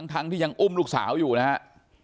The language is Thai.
ทั้งที่ยังอุ้มลูกสาวอยู่นะฮะ